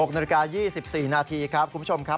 ๖นาฬิกา๒๔นาทีครับคุณผู้ชมครับ